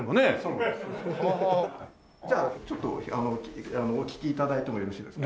じゃあちょっとお聴き頂いてもよろしいですか？